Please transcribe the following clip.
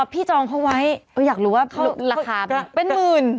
พี่จองเค้าไว้เขาอยากรู้ว่าราคาเป็นมืน